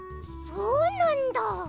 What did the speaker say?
そうなんだ。